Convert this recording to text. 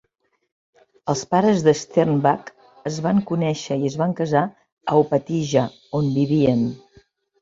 Els pares de Sternbach es van conèixer i es van casar a Opatija, on vivien.